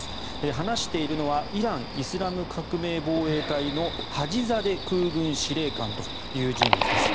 話しているのはイラン・イスラム革命防衛隊のハジザデ空軍司令官という人物です。